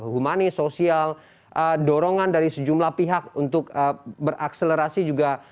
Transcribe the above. humanis sosial dorongan dari sejumlah pihak untuk berakselerasi juga